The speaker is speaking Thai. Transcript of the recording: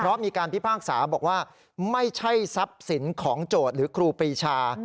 เพราะมีการพิพากษาบอกว่าไม่ใช่ทรัพย์สินของโจทย์หรือครูปรีชา